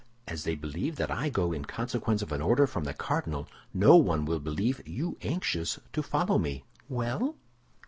"As they believe that I go in consequence of an order from the cardinal, no one will believe you anxious to follow me." "Well?"